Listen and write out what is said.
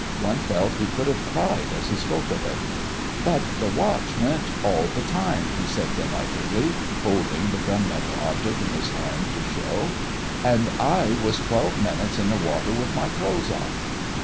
One felt he could have cried as he spoke of it. "But the watch went all the time," he said delightedly, holding the gun metal object in his hand to show, "and I was twelve minutes in the water with my clothes on."